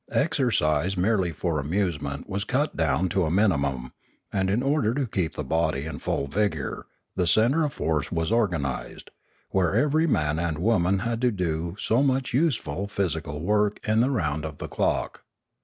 Exercise merely for amusement was cut down to a minimum, and in order to keep the body in full vigour, the centre of force was organised, where every man and woman had to do so much useful physical Ethics 561 work in the round of the clock.